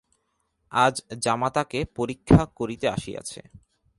আজ জামাতাকে পরীক্ষা করিতে আসিয়াছে।